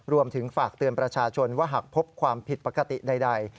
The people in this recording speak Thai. รวมถึงฝากเตือนประชาชนว่าหากพบความผิดปกติใด